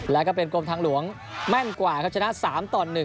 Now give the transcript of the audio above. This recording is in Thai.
แล้วก็เป็นกรมทางหลวงแม่นกว่าครับชนะ๓ต่อ๑